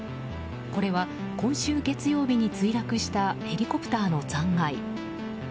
これは今週月曜日に墜落したヘリコプターの残骸。